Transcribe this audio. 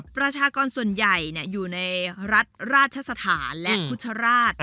ประชากรส่วนใหญ่อยู่ในรัฐราชสถานและพุทธราช